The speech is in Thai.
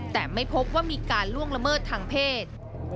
แต่ไม่พบว่ามีการล่วงละเมิดทางเพศ